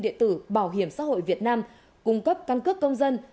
địa tử bảo hiểm xã hội việt nam cung cấp căn cấp công dân